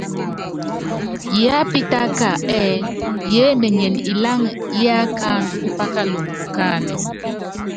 Yiápítáka ɛ́ɛ́ yémenyen iláŋa yíikáandú upákalɔŋu ukáánɛ́.